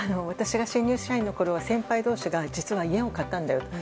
私が新入社員のころは先輩社員が実は家を買ったんだよ